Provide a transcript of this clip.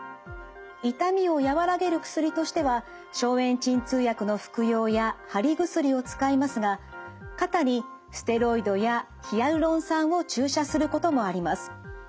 痛みを和らげる薬としては消炎鎮痛薬の服用や貼り薬を使いますが肩にステロイドやヒアルロン酸を注射することもあります。